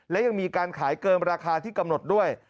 และยังมีการขายเกินราคาที่กำหนดด้วย